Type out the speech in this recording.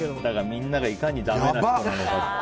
みんながいかにダメな人なのか。